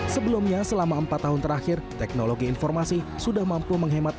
sebelumnya selama empat tahun terakhir teknologi informasi sudah mampu menghemat